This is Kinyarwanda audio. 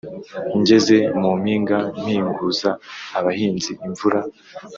Ngeze mu mpinga mpinguza abahinzi-Imvura.